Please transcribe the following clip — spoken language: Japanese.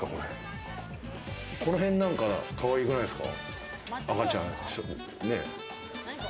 このへん、かわいくないですか？